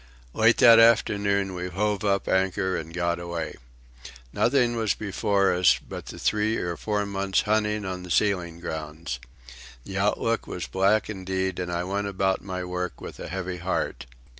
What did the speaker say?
Late that afternoon we hove up anchor and got away. Nothing was before us but the three or four months' hunting on the sealing grounds. The outlook was black indeed, and I went about my work with a heavy heart.